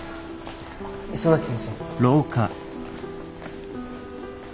磯崎先生。